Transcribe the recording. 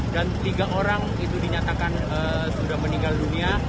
dan tiga orang itu dinyatakan sudah meninggal dunia